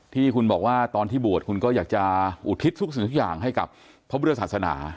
ที่คุณบอกว่าตอนที่บวชคุณก็อยากจะอุทิศทุกสิ่งทุกอย่างให้กับพระพุทธศาสนา